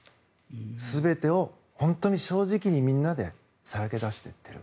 全てを本当に正直にみんなでさらけ出していってる。